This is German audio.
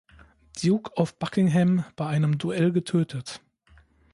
Duke of Buckingham, bei einem Duell getötet.